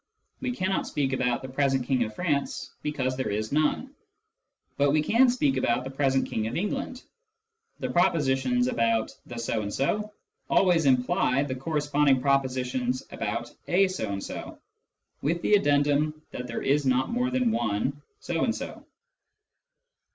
We cannot speak about " the present King of France," because there is none ; but we can speak about " the present King of England." Thus propositions about " the so and so " always imply the corresponding propositions about " a so and so," with the addendum that there is not more than one so and so.